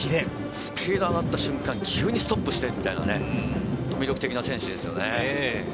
スピード上がった瞬間、急にストップして、ホントに魅力的な選手ですね。